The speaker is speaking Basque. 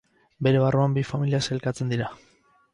Bere barruan bi familia sailkatzen dira.